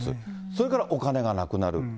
それからお金がなくなる。